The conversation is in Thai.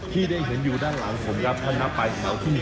ที่ได้เห็นอยู่ด้านหลังผมครับพันธุ์น้ำปลายของเราพรุ่งผม